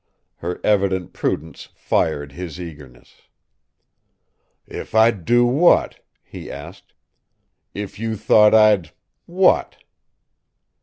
Her evident prudence fired his eagerness. "If I'd do what?" he asked. "If you thought I'd what?"